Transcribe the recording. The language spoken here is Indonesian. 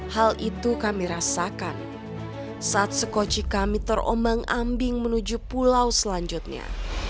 hal itu kami rasakan saat sekoci kami terombang ambing menuju pulau selanjutnya